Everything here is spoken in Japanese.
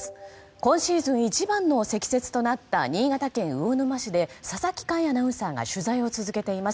今シーズン一番の積雪となった新潟県魚沼市で佐々木快アナウンサーが取材を続けています。